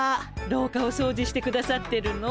廊下をそうじしてくださってるの？